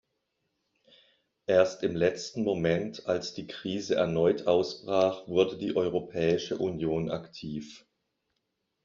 Erst im letzten Monat, als die Krise erneut ausbrach, wurde die Europäische Union aktiv.